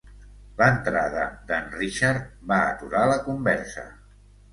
L'entrada d'en Richard va aturar la conversa.